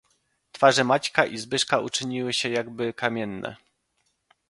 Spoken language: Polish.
"Twarze Maćka i Zbyszka uczyniły się jakby kamienne."